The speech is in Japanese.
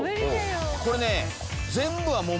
これね。